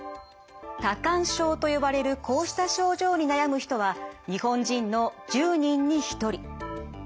多汗症と呼ばれるこうした症状に悩む人は日本人の１０人に１人。